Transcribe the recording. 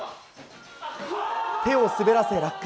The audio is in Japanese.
手を滑らせ落下。